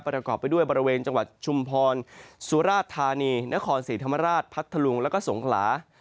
ประกอบไปด้วยบริเวณจังหวัดชุมพรสุราธานีนครศรีธรรมราชพัทธลุงแล้วก็สงขลา